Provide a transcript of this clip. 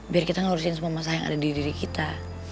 biar kita ngurusin semua masalah yang ada di diri kita